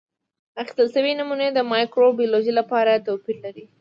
اخیستل شوې نمونې د مایکروبیولوژي لپاره توپیر لري.